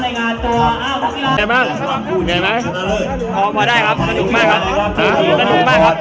พอได้ครับพอได้ครับพอได้ครับพอได้ครับพอได้ครับ